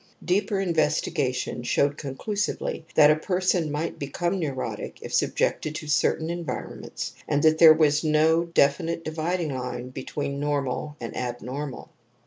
Deeper investigation showed con clusively that a/person might become neurotic if subjected to certain environments, and that there was no definite dividing line between normal and abnormal.